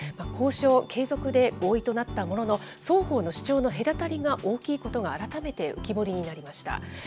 交渉継続で合意となったものの、双方の主張の隔たりが大きいことが改めて浮き彫りになりました。